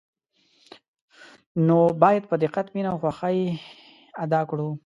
نو باید په دقت، مینه او خوښه یې ادا کړو.